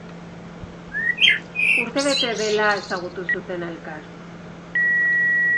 Urtebete dela ezagutu zuten elkar.